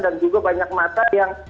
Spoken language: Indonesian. dan juga banyak mata yang